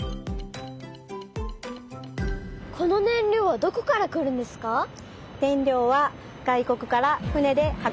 この燃料はどこから来るんですか？